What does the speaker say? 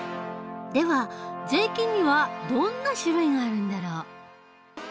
では税金にはどんな種類があるんだろう？